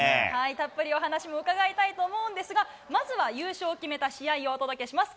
たっぷりお話も伺いたいと思うんですが、まずは優勝を決めた試合をお届けします。